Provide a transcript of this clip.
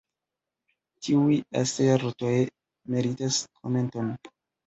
Tiuj asertoj meritas komenton.